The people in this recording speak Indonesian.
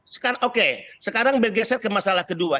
sekarang oke sekarang bergeser ke masalah kedua